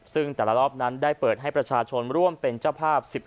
ซึ่งแต่ละรอบนั้นได้เปิดให้ประชาชนร่วมเป็นเจ้าภาพ